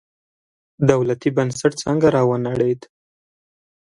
دولتي بنسټ څنګه راونړېد.